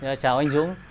dạ chào anh dũng